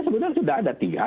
sebenarnya sudah ada